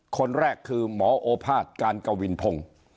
คนแรกคือหมอโอภาษย์การกวินพงศ์